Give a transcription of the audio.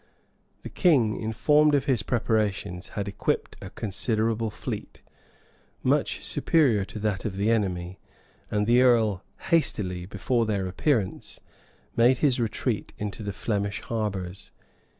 The king, informed of his preparations, had equipped a considerable fleet, much superior to that of the enemy; and the earl hastily, before their appearance, made his retreat into the Flemish harbors.